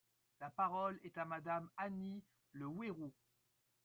La parole est à Madame Annie Le Houerou.